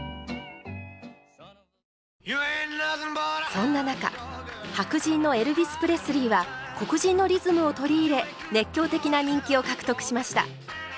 そんな中白人のエルビス・プレスリーは黒人のリズムを取り入れ熱狂的な人気を獲得しました。